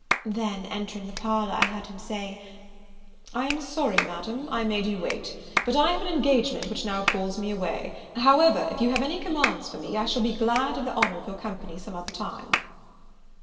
Then, entering the parlour, I heard him say, "I am sorry, Madam, I made you wait; but I have an engagement which now calls me away: however, if you have any commands for me, I shall be glad of the honour of your company some other time."